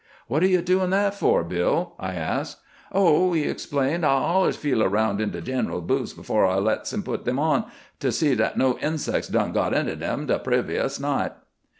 " What are you doing that for, BHl ?" I asked. " Oh," he explained, " I allers feels around in de gin'ral's boots afore I lets him put dem on, to see dat no insec's done got into dem de prev'us night."